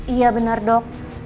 iya benar dok